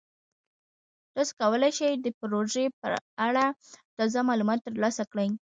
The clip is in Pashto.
تاسو کولی شئ د پروژې په اړه تازه معلومات ترلاسه کړئ.